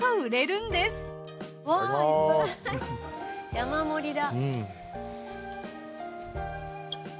山盛りだ。